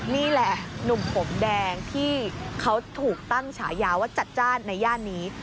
นี่แหละหนุ่มผมแดงที่เขาถูกตั้งฉายาว่าจัดจ้านในย่านนี้